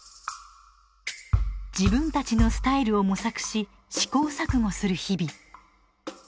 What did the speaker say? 自分たちのスタイルを模索し試行錯誤する日々。